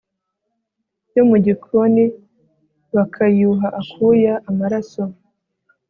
yo mu gikoni bakiyuha akuya amaraso